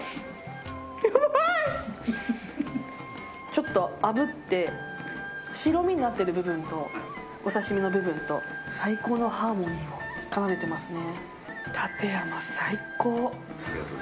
ちょっと炙って白身になっている部分とお刺し身の部分と最高のハーモニーを奏でてますね。